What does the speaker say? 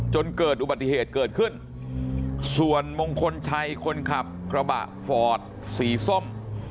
จนเกิดอุบัติเหตุเกิดขึ้นส่วนมงคลชัยคนขับกระบะฟอร์ดสีส้ม